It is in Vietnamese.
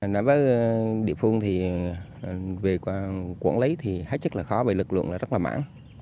nói với địa phương thì về quản lý thì hết chất là khó bởi lực lượng là rất là mảng